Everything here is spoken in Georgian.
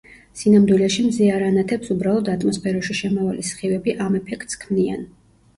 სინამდვილეში მზე არ ანათებს უბრალოდ ატმოსფეროში შემავალი სხივები ამ ეფექტს ქმნიან